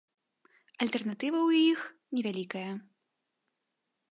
Альтэрнатыва ў іх невялікая.